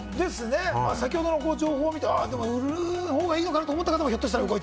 先ほどの情報を見て、売るほうがいいのかな？と思った方も。